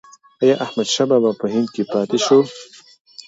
ایا احمدشاه بابا په هند کې پاتې شو؟